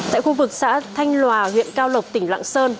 tại khu vực xã thanh lòa huyện cao lộc tỉnh lạng sơn